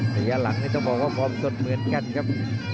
ระยะหลังนี่ต้องบอกว่าฟอร์มสดเหมือนกันครับ